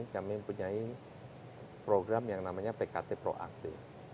kami mempunyai program yang namanya pkt proaktif